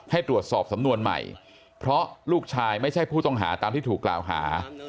ให้ตรวจสอบสำนวนใหม่เพราะลูกชายไม่ใช่ผู้ต้องหาตามที่ถูกกล่าวหา